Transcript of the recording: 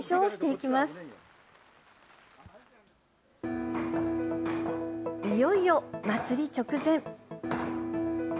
いよいよ、祭り直前。